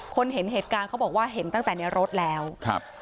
เห็นเหตุการณ์เขาบอกว่าเห็นตั้งแต่ในรถแล้วครับ